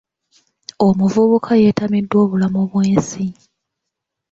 Omuvubuka yeetamiddwa obulamu bw'ensi.